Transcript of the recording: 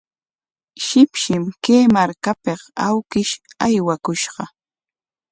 Shipshim kay markapik awkish aywakushqa.